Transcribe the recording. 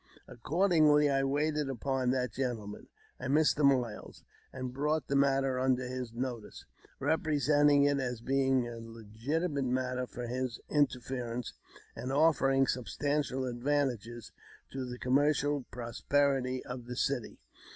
Accordingly, I waited upon that gentleman (a Mr. Miles), and brought the matter under his notice, representing it as being a legitimate matter for his interference, and offering substantial advantages to the commercial prosperity of the city.